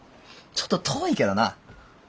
ちょっと遠いけどな。